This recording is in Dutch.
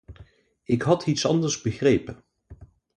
Ik had iets anders begrepen.